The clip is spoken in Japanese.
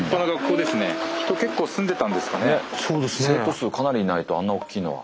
生徒数かなりいないとあんなおっきいのは。